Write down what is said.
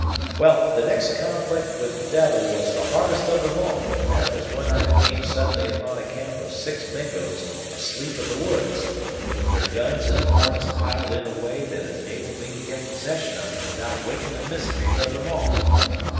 "Well, the next conflict with the devil was the hardest of them all; and that was when I came suddenly upon a camp of six Mingos asleep in the woods, with their guns and horns piled in away that enabled me to get possession of them without waking a miscreant of them all.